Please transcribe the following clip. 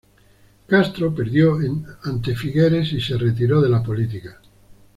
Castro perdió ante Figueres y se retiró de la política.